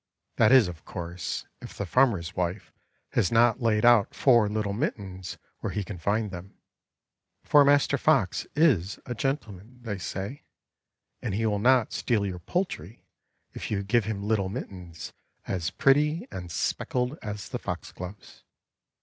That is, of course, if the farmer's wife has not laid out four little mittens where he can find them; for Master Fox is a gentleman, they say, and he will not steal your poultry if you give him little mittens as pretty and speckled as the Foxgloves.